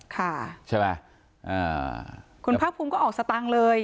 ค่ะใช่ไหมคุณภาคภูมิก็ออกสตางค์เลย